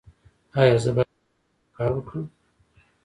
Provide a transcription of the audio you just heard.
ایا زه باید په کور کې کار وکړم؟